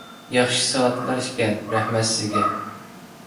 ياخشى ساۋاتلار ئىكەن، رەھمەت سىزگە!